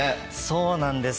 そうなんです。